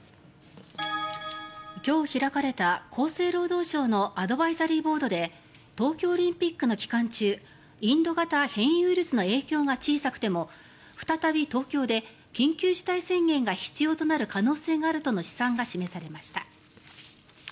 今日開かれた厚生労働省のアドバイザリーボードで東京オリンピックの期間中インド型変異ウイルスの影響が小さくても、再び東京で緊急事態宣言が必要となる可能性があるとの試算が示されました。